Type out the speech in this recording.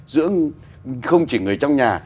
giữa không chỉ người trong nhà